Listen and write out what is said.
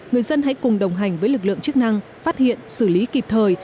người dân hãy cùng đồng hành với lực lượng chức năng phát hiện xử lý kịp thời